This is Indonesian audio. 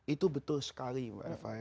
itu betul sekali mbak eva